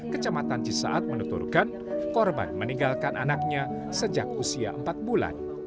kecamatan cisaat menuturkan korban meninggalkan anaknya sejak usia empat bulan